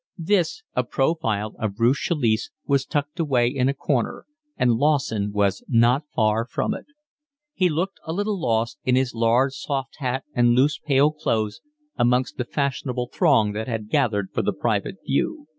This, a profile of Ruth Chalice, was tucked away in a corner, and Lawson was not far from it. He looked a little lost, in his large soft hat and loose, pale clothes, amongst the fashionable throng that had gathered for the private view.